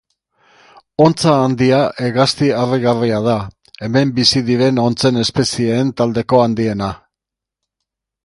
Hontza handia hegazti harrigarria da, hemen bizi diren hontzen espezieen taldeko handiena.